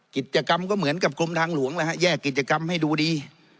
กิจกรรมก็เหมือนกับกรมทางหลวงแล้วฮะแยกกิจกรรมให้ดูดี